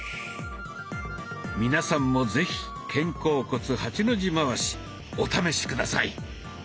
皆さんも是非「肩甲骨８の字回し」お試し下さい。